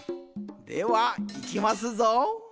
ではいきますぞ。